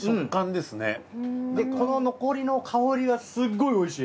でこの残りの香りがすっごいおいしい。